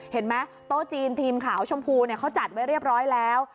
เห็นไหมโต๊ะจีนทีมขาวชมพูเนี่ยเขาจัดไว้เรียบร้อยแล้ว